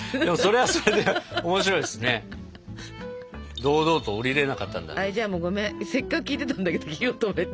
はいじゃあごめんせっかく聞いてたんだけど火を止めて。